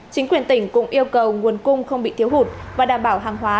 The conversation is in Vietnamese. chính quyền tỉnh cũng yêu cầu nguồn cung không bị thiếu hụt và đảm bảo hàng hóa